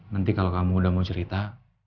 nanti kalau kamu udah mau cerita